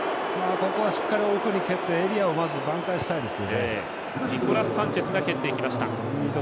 ここはしっかり奥に蹴ってエリアを挽回したいです。